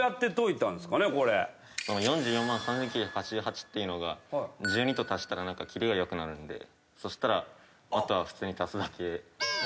４４万３，９８８っていうのが１２と足したら切りが良くなるんでそしたらあとは普通に足すだけ。